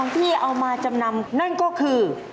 ที่เอามาจำนำนั่นก็คือ